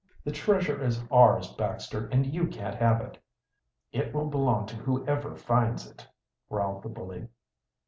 "The treasure is ours, Baxter, and you can't touch it." "It will belong to whoever finds it," growled the bully.